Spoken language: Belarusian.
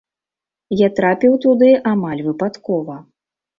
Я трапіў туды амаль выпадкова.